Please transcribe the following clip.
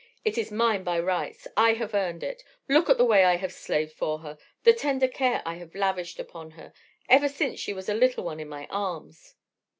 "It is mine by rights, I have earned it. Look at the way I have slaved for her, the tender care I have lavished upon her, ever since she was a little one in my arms."